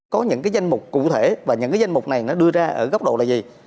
có những cái danh mục cụ thể và những danh mục này nó đưa ra ở góc độ là gì